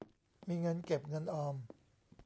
มีเงินเก็บเงินออม